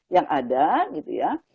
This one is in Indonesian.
yang ada gitu ya